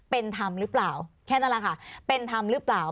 เป็นธรรมหรือเปล่าแค่นั้นแหละค่ะเป็นธรรมหรือเปล่า